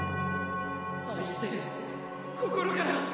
・愛してる心から。